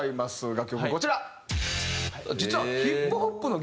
楽曲こちら。